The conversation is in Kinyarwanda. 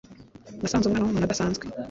Nasanze umwana wumuntu adasanzwe